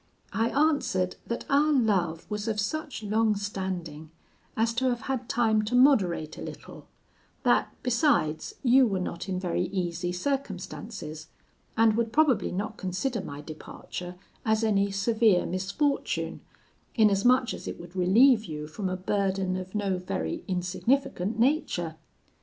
I answered, that our love was of such long standing as to have had time to moderate a little; that, besides, you were not in very easy circumstances, and would probably not consider my departure as any severe misfortune, inasmuch as it would relieve you from a burden of no very insignificant nature.